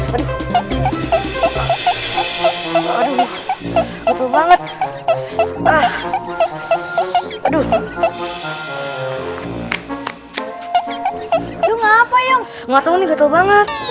aduh aduh banget ah aduh aduh ngapa yang ngerti banget